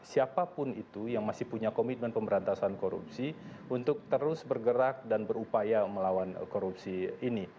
siapapun itu yang masih punya komitmen pemberantasan korupsi untuk terus bergerak dan berupaya melawan korupsi ini